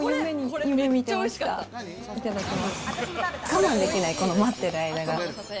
我慢できない、待ってる間が。